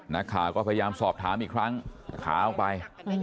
นักข่าวก็พยายามสอบถามอีกครั้งขาออกไป